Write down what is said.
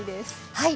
はい。